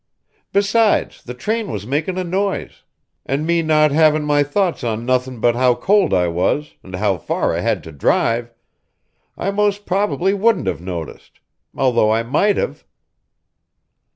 Besides, the train was makin' a noise; an' me not havin' my thoughts on nothin' but how cold I was, an' how far I had to drive, I mos' prob'ly wouldn't have noticed although I might have."